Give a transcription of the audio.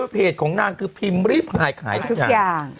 เพจของนางคือพิมพ์รีพายขายทุกอย่าง